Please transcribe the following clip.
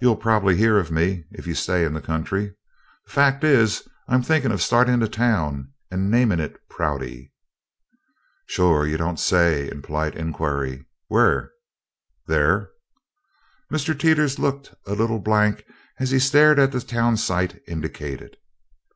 You'll prob'ly hear of me if you stay in the country. The fact is, I'm thinkin' of startin' a town and namin' it Prouty." "Shoo you don't say so!" In polite inquiry, "Whur?" "Thur!" Mr. Teeters looked a little blank as he stared at the town site indicated.